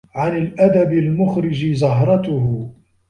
عَنْ الْأَدَبِ الْمُخْرِجِ زَهْرَتُهُ